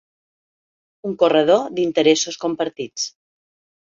Un corredor d’interessos compartits.